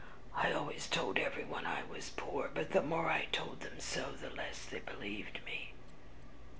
I always told everyone I was poor, but the more I told them so, the less they believed me."